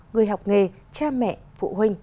người học nghề cha mẹ phụ huynh